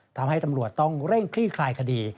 ตำรวจต้องเร่งคลี่คลายคดี